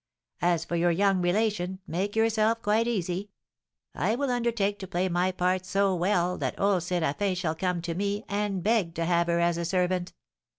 As for your young relation, make yourself quite easy; I will undertake to play my part so well that old Séraphin shall come to me, and beg to have her as a servant."